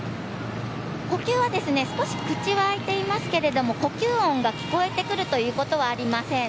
呼吸は少し口はあいていますけれども呼吸音が聞こえてくるということはありません。